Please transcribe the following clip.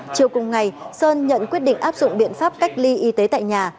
chiều cùng ngày sơn nhận quyết định áp dụng biện pháp cách ly y tế tại nhà